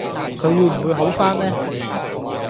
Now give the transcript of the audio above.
佢會唔會好番呢？